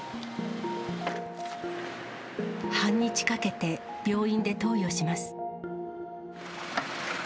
半日かけて病院で投与します。